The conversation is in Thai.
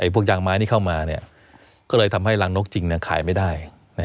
พวกยางไม้นี่เข้ามาก็เลยทำให้รังนกจริงขายไม่ได้